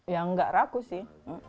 ya gak raku sih